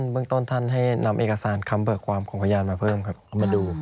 เบื้องต้นท่านนำเอกสารคำเบิกความของเค้าพึ่งมาดู